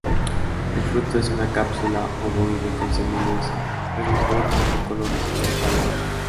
El fruto es una cápsula ovoide con semillas reniformes de color marrón pálido.